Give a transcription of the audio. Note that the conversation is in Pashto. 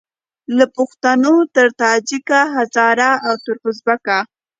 له پښتونه تر تاجیکه هزاره او تر اوزبیکه